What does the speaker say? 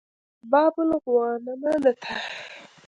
باب الغوانمه ته د تګ لپاره یې اشاره وکړه.